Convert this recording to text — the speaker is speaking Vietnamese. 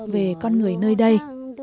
về con người nơi đây